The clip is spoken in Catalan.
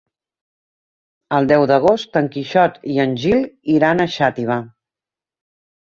El deu d'agost en Quixot i en Gil iran a Xàtiva.